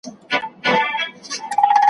څنګه پردی سوم له هغي خاوري ,